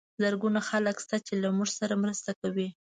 زرګونه خلک شته چې له موږ سره مرسته کوي.